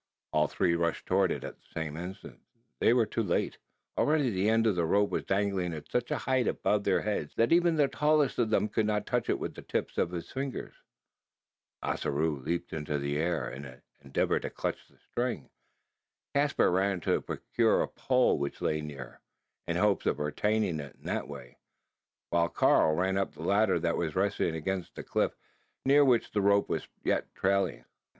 All three rushed towards it at the same instant. They were too late. Already the end of the rope was dangling at such a height above their heads, that even the tallest of them could not touch it with the tips of his fingers. Ossaroo leaped high into the air in an endeavour to clutch the string. Caspar ran to procure a pole which lay near, in hopes of retaining it in that way: while Karl ran up the ladder that was resting against the cliff, near which the rope was yet trailing.